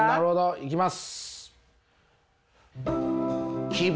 いきます。